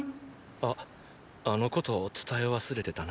ああのこと伝え忘れてたな。